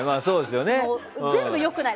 全部良くない。